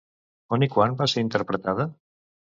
On i quan va ser interpretada?